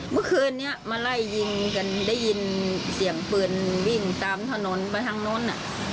เมื่อคืนนี้มาไล่ยิงกันได้ยินเสียงปืนวิ่งตามถนนไปทางโน้น